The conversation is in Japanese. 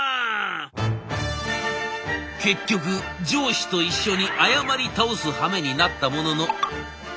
結局上司と一緒に謝り倒すはめになったものの。